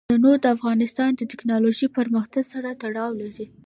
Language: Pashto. تنوع د افغانستان د تکنالوژۍ پرمختګ سره تړاو لري.